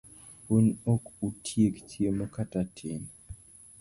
Un ok utiek chiemo kata tin?